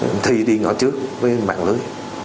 anh thì đi ngõ trước với mặt lưới